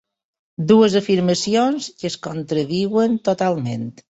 Dues afirmacions que es contradiuen totalment.